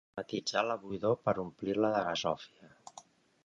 Tematitzar la buidor per omplir-la de gasòfia.